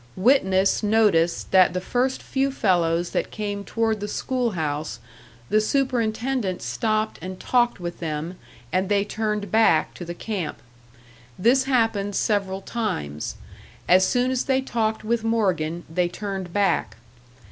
Witness noticed that the first few fellows that came toward the school house, the superintendent stopped and talked with them and they turned back to the camp. This happened several times: as soon as they talked with Morgan they turned back.